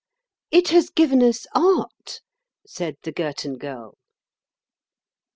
"It has given us Art," said the Girton Girl.